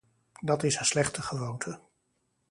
Dat is een slechte gewoonte.